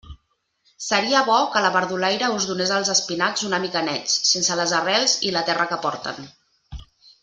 Seria bo que la verdulaire us donés els espinacs una mica nets, sense les arrels i la terra que porten.